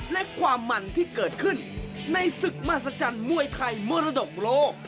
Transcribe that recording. และความมันที่เกิดขึ้นในศึกมหัศจรรย์มวยไทยมรดกโลก